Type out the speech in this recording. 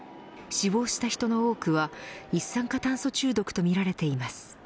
死亡した人の多くは一酸化炭素中毒とみられています。